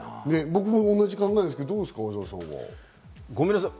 僕も同じ考えですけど、小澤さんはどうですか？